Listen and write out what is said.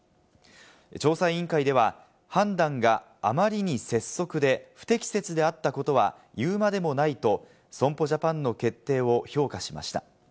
調査委員会では、判断があまりに拙速で不適切であったことは言うまでもないと損保ジャパンの決定を評価しました。